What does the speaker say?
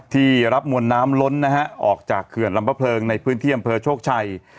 ที่รับมวลน้ำล้นนะฮะออกจากเขื่อนลำพะเพลิงในพื้นที่อำเภอโชคชัย